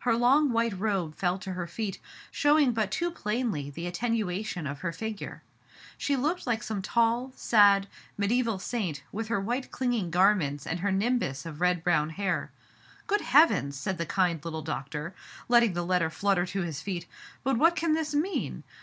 Her long white robe fell to her feet, showing but too plainly the attenuation of her figure. She looked like some tall, sad, medi aeval saint, with her white clinging garments and her nimbus of red brown hair. " Good Heavens !'* said the kind little doctor, letting the letter flutter to his feet. "But what can this mean